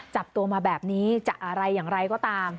จับตัวมาแบบนี้จะอะไรอย่างไรก็ตาม